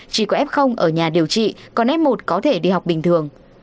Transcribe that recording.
chỉ có f ở nhà điều trị còn f một có thể đi học bình thường